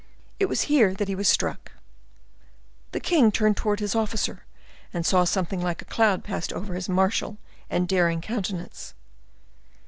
It was here that he was struck." The king turned towards his officer, and saw something like a cloud pass over his martial and daring countenance.